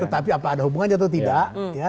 tetapi apa ada hubungannya atau tidak